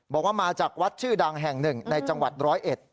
บอกว่ามาจากวัดชื่อดังแห่งหนึ่งในจังหวัดร้อยเอ็ด